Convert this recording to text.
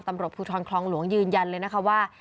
ตำรวจภูทรคลองหลวงยืนยันเลยนะคะว่า